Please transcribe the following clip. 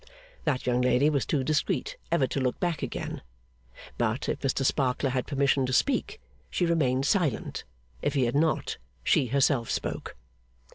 That young lady was too discreet ever to look back again; but, if Mr Sparkler had permission to speak, she remained silent; if he had not, she herself spoke.